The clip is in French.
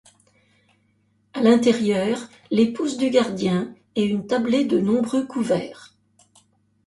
À l'intérieur, l’épouse du gardien et une tablée de nombreux couverts.